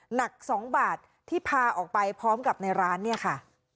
หนัก๒บาทที่พาออกไปพร้อมกับในร้านเนี่ยค่ะ